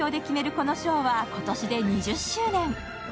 この賞は、今年で２０周年。